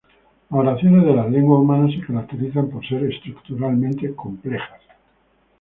Las oraciones de las lenguas humanas se caracterizan por ser estructuralmente complejas.